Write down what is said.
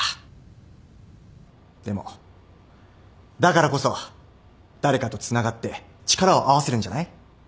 でもだからこそ誰かとつながって力を合わせるんじゃない？